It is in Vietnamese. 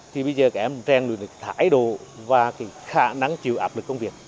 thì bây giờ các em đem được thái độ và khả năng chịu áp lực công việc